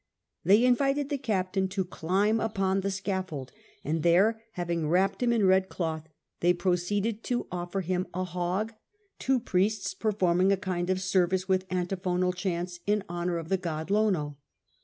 They invited the captain to climb upon the scaflbld, and there, having wrapped him in red cloth, they proceeded to offer him a hog, two priests performing a kind of service with fintiphonal chants iu honour of the god Lono.